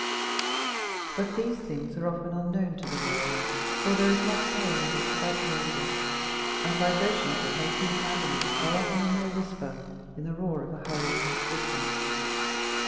But these things are often unknown to the world; for there is much pain that is quite noiseless; and vibrations that make human agonies are often a mere whisper in the roar of hurrying existence.